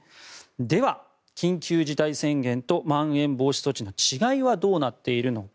では、緊急事態宣言とまん延防止措置の違いはどうなっているのか。